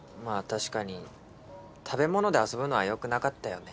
確かに食べ物で遊ぶのはよくなかったよね